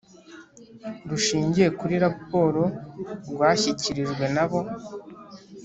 rushingiye kuri raporo rwashyikirijwe nabo